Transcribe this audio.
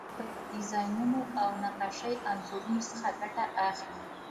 د ډیزاینونو او نقاشۍ انځورونو څخه ګټه اخلي.